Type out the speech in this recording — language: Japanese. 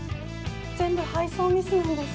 全部配送ミスなんです。